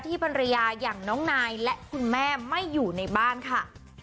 ภรรยาอย่างน้องนายและคุณแม่ไม่อยู่ในบ้านค่ะ